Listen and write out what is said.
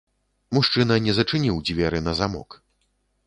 Мужчына не зачыніў дзверы на замок.